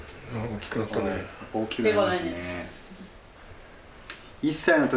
大きくなったね。